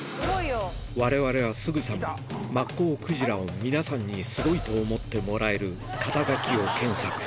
われわれはすぐさま、マッコウクジラを皆さんにすごいと思ってもらえる肩書を検索。